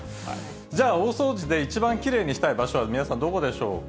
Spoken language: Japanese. じゃあ、大掃除で一番きれいにしたい場所は皆さん、どこでしょうか。